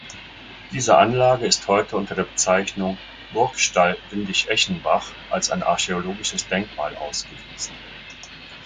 Diese Anlage ist heute unter der Bezeichnung Burgstall Windischeschenbach als ein archäologisches Denkmal ausgewiesen.